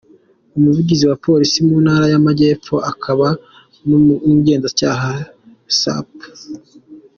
Umuvugizi wa Polisi mu ntara y’Amajyepfo akaba n’umugenzacyaha Sup.